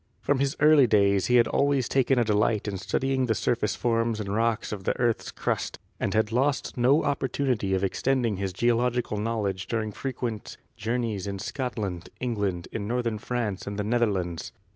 From his early days he had always taken a delight in studying the surface forms and rocks of the earth's crust and had lost no opportunity of extending his geological knowledge during frequent journeys in Scotland, England, in northern France and the Netherlands.